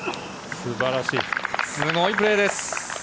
すごいプレーです。